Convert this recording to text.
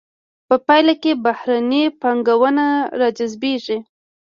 په پایله کې بهرنۍ پانګونه را جذبیږي.